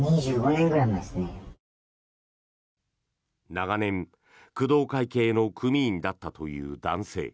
長年、工藤会系の組員だったという男性。